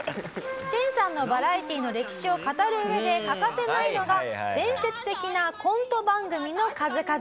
研さんのバラエティの歴史を語るうえで欠かせないのが伝説的なコント番組の数々。